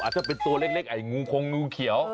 ถ้าเป็นตัวเล็กไอ้งูคงงูเขียว